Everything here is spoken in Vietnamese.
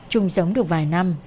chúng sống được vài năm